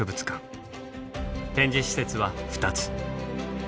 展示施設は２つ。